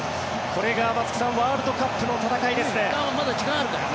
これが松木さんワールドカップの戦いですね。